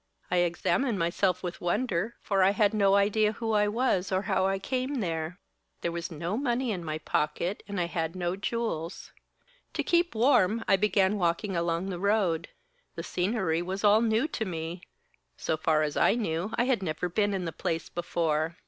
I examined myself with wonder, for I had no idea who I was, or how I came there. There was no money in my pocket, and I had no jewels. To keep warm I began walking along the road. The scenery was all new to me; so far as I knew I had never been in the place before.